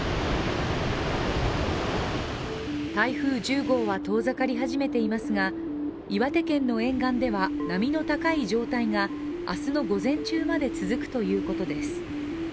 台風１０号は遠ざかり始めていますが、岩手県の沿岸では波の高い状態が明日の午前中まで続くということです。